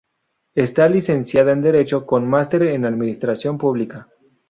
Está licenciada en Derecho, con máster en Administración pública.